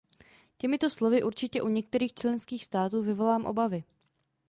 Těmito slovy určitě u některých členských států vyvolám obavy.